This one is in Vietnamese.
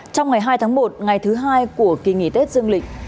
trong ngày hai tháng một ngày thứ hai của kỳ nghỉ tết dương lịch